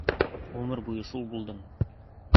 Ғүмер буйы шул булдың!